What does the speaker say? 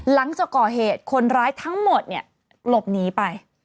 หลังจากก่อเหตุคนร้ายทั้งหมดเนี่ยหลบหนีไป